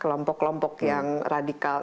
kelompok kelompok yang radikal